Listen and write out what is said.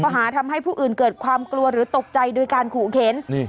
หาทำให้ผู้อื่นเกิดความกลัวหรือตกใจโดยการขู่เข็น